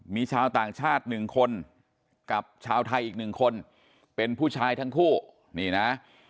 มีชาวต่างชาติหนึ่งคนกับชาวไทยอีกหนึ่งคนเป็นผู้ชายทั้งคู่นี่นะ